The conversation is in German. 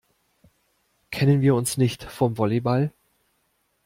Kennen wir uns nicht vom Volleyball?